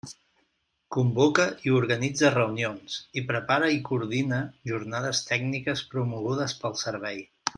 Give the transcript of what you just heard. Convoca i organitza reunions, i prepara i coordina jornades tècniques promogudes pel Servei.